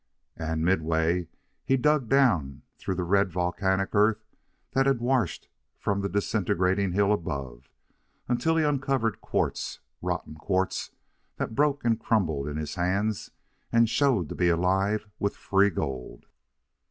And, midway, he dug down through the red volcanic earth that had washed from the disintegrating hill above, until he uncovered quartz, rotten quartz, that broke and crumbled in his hands and showed to be alive with free gold.